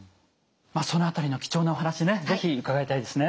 その辺りの貴重なお話ね是非伺いたいですね。